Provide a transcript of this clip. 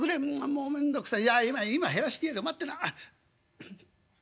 「もう面倒くさいいや今減らしてやるから待ってな」。